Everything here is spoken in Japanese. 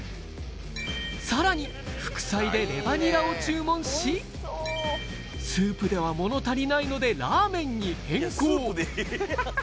さらに副菜でレバニラを注文し、スープではもの足りないのでラーメンに変更。